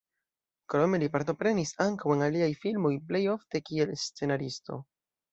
Krome li partoprenis ankaŭ en aliaj filmoj, plej ofte, kiel scenaristo.